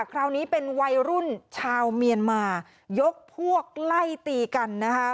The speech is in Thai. คราวนี้เป็นวัยรุ่นชาวเมียนมายกพวกไล่ตีกันนะคะ